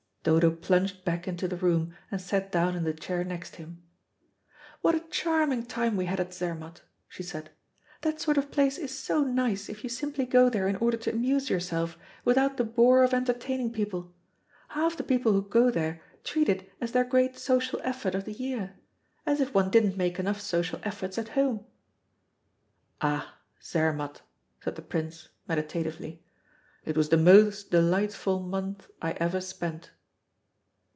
Dodo plunged back into the room, and sat down in the chair next him. "What a charming time we had at Zermatt," she said. "That sort of place is so nice if you simply go there in order to amuse yourself without the bore of entertaining people. Half the people who go there treat it as their great social effort of the year. As if one didn't make enough social efforts at home!" "Ah, Zermatt," said the Prince, meditatively. "It was the most delightful month I ever spent."